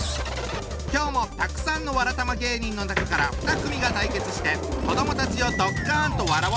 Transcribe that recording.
今日もたくさんのわらたま芸人の中から２組が対決して子どもたちをドッカンと笑わせちゃうぞ！